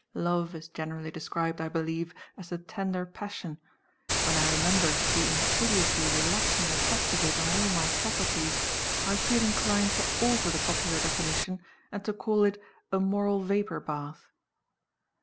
Love is generally described, I believe, as the tender passion. When I remember the insidiously relaxing effect of it on all my faculties, I feel inclined to alter the popular definition, and to call it a moral vapor bath.